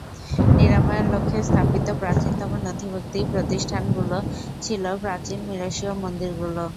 নিরাময়ের লক্ষ্যে স্থাপিত প্রাচীনতম নথিভুক্ত প্রতিষ্ঠানগুলো ছিল প্রাচীন মিশরীয় মন্দিরগুলো।